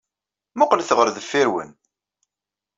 Mmuqqlet ɣer deffir-wen!